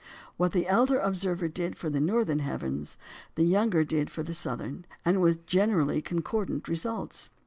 What the elder observer did for the northern heavens, the younger did for the southern, and with generally concordant results.